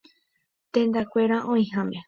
Tendakuéra oĩháme.